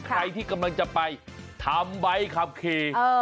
ใครที่กำลังจะไปทำใบขับขี่